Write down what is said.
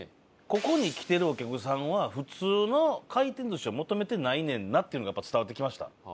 ここに来てるお客さんは普通の回転寿司は求めてないねんなっていうのがやっぱ伝わってきました。